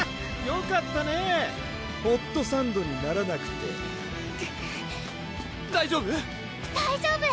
よかったねぇホットサンドにならなくて大丈夫⁉大丈夫！